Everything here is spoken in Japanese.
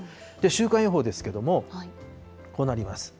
週間予報ですけれども、こうなります。